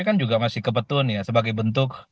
kan juga masih kebetun ya sebagai bentuk